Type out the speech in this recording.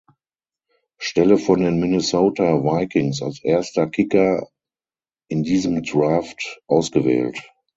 Stelle von den Minnesota Vikings als erster Kicker in diesem Draft ausgewählt.